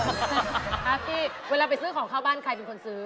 ครับพี่เวลาไปซื้อของเข้าบ้านใครเป็นคนซื้อ